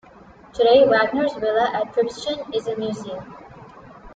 Today, Wagner's villa at Tribschen is a museum.